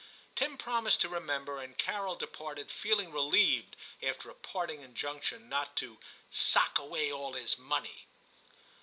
* Tim promised to remember, and Carol departed feeling relieved, after a parting injunction not to 'sock away all his money.'